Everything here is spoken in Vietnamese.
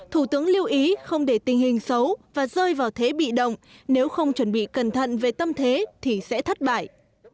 thủ tướng lưu ý không để tình hình xấu và rơi vào thế bị động nếu không chuẩn bị cẩn thận về tâm thế thì sẽ thất bại